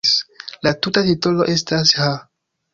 La tuta titolo estas "Ha!